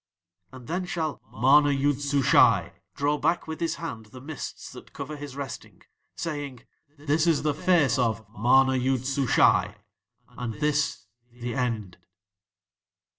"'And then shall MANA YOOD SUSHAI draw back with his hand the mists that cover his resting, saying: "This is the Face of MANA YOOD SUSHAI and this THE END."'"